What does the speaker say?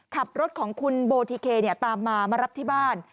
ขับรถของคุณโบทิเคตามมามารับที่บ้าน